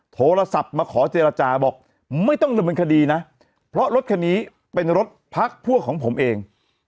โทรศัพท์มาขอเจรจาบอกไม่ต้องดำเนินคดีนะเพราะรถคันนี้เป็นรถพักพวกของผมเอง